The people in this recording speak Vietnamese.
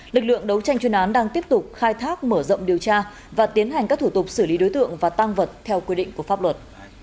lực lượng đấu tranh chuyên án đang tiếp tục khai thác mở rộng điều tra và tiến hành các thủ tục xử lý đối tượng và tăng vật theo quy định của pháp luật